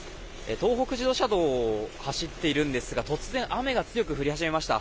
東北自動車道を走っているんですが突然雨が強く降り始めました。